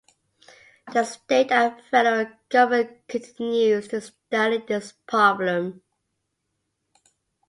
The state and federal government continues to study this problem.